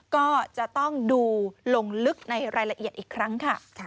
ก็จะต้องดูลงลึกในรายละเอียดอีกครั้งค่ะ